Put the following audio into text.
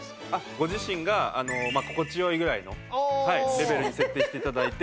ご自身が心地良いぐらいのレベルに設定して頂いて。